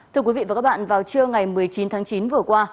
thưa quý vị và các bạn vào trưa ngày một mươi chín tháng chín vừa qua